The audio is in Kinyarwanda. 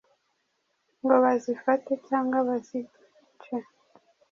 ngo bazifate cyangwa bazice.